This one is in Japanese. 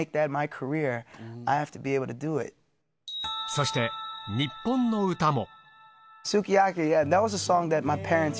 そして、日本の歌も。